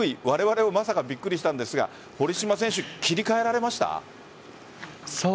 われわれもまさかとびっくりしたんですが堀島選手、切り替えられました？